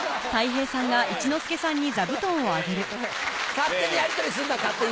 勝手にやりとりすんな勝手に。